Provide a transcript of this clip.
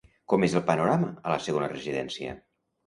Com és el panorama a la segona residència?